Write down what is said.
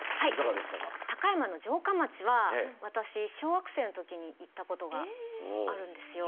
高山の城下町は私小学生の時に行ったことがあるんですよ。